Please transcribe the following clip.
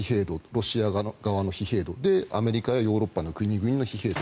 ロシア側の疲弊度アメリカやヨーロッパの国々の疲弊度